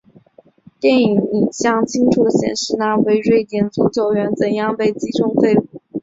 电视影像清楚显示那位瑞典足球员怎样被击中腹部。